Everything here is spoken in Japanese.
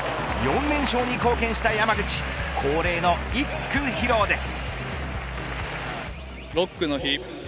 ４連勝に貢献した山口恒例の一句披露です。